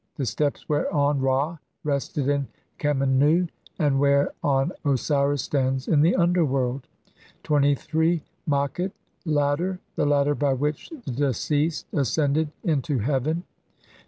The steps whereon Ra rested in Khemennu, and where on Osiris stands in the underworld. 2 3. I maqet Ladder. The ladder by which the de ceased ascended into heaven. 24.